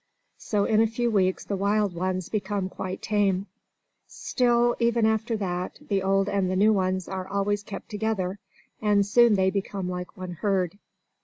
So in a few weeks the wild ones become quite tame. Still, even after that, the old and the new ones are always kept together, and soon they become like one herd.